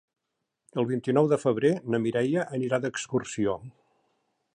El vint-i-nou de febrer na Mireia anirà d'excursió.